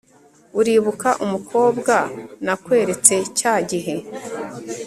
uribuka umukobwa nakweretse cyagihe